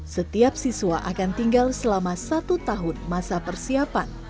setiap siswa akan tinggal selama satu tahun masa persiapan